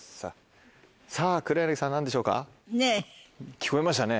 聞こえましたね。